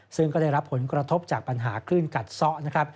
ซึ่งก็ได้รับผลกระทบจากปัญหาคลื่นกัดซ้อนะครับ